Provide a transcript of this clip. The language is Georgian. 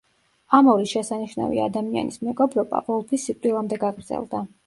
ამ ორი შესანიშნავი ადამიანის მეგობრობა, ვოლფის სიკვდილამდე გაგრძელდა.